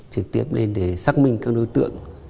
trực tiếp lên để xác minh các đối tượng